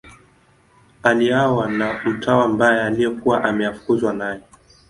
Aliuawa na mtawa mbaya aliyekuwa ameafukuzwa naye.